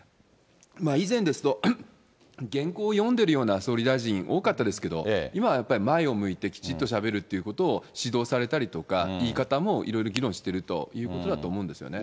以前ですと、原稿を読んでるような総理大臣、多かったですけれども、今はやっぱり前を向いてきちっとしゃべるっていうことを指導されたりとか、言い方もいろいろ議論してるということだと思うんですよね。